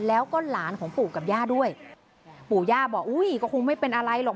แล้วก็หลานของปู่กับย่าด้วยปู่ย่าบอกอุ้ยก็คงไม่เป็นอะไรหรอก